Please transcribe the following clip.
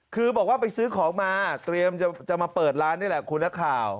คือบอกว่าไปซื้อของมาเตรียมจะมาเปิดร้านนี่แหละคุณนักข่าว